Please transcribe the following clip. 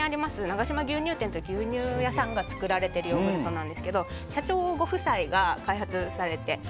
永島牛乳店という牛乳屋さんが作られてるヨーグルトなんですが社長ご夫妻が開発されて。